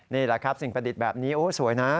นี่แหละครับสิ่งประดิษฐ์แบบนี้โอ้สวยนะ